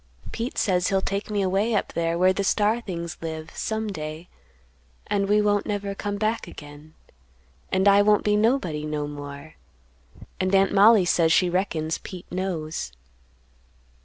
Pete says he'll take me away up there where the star things live, some day, and we won't never come back again; and I won't be nobody no more; and Aunt Mollie says she reckons Pete knows.